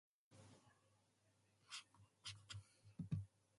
The material is copyrighted and not free for distribution.